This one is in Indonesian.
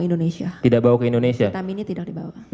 indonesia tidak bawa ke indonesia vitaminnya tidak dibawa